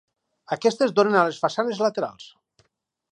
Aquestes donen a les façanes laterals.